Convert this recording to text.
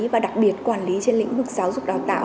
và đặc biệt quản lý trên lĩnh vực giáo dục đào tạo